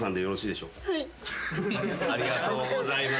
ありがとうございます。